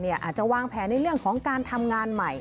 อาจจะวางแผนในเรื่องของการทำงานใหม่